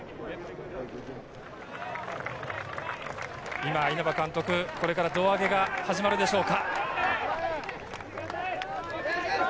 今、稲葉監督、これから胴上げが始まるでしょうか？